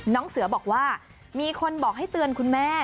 น้องเสือบอกว่ามีคนบอกให้เตือนคุณแม่